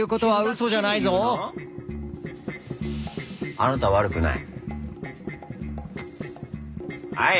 あなたは悪くない。